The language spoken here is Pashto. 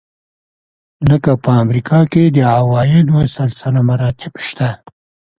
لکه په امریکا کې د عوایدو سلسله مراتب شته.